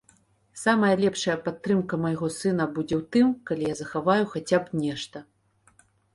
Самая лепшая падтрымка майго сына будзе ў тым, калі я захаваю хаця б нешта.